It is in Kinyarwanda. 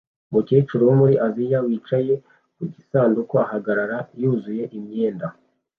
Umukecuru wo muri Aziya wicaye ku gisanduku ahagarara yuzuye imyenda